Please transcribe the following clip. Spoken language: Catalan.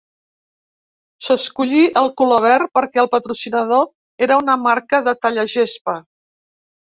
S'escollí el color verd perquè el patrocinador era una marca de tallagespa.